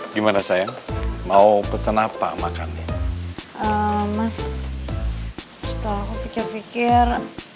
gimana sayang mau pesan apa makan mas setelah pikir pikir